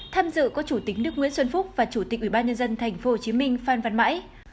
tham dự có chủ tính đức nguyễn xuân phúc và chủ tịch ủy ban nhân dân tp hcm phan văn mãi